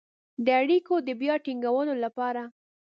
د اړیکو د بيا ټينګولو لپاره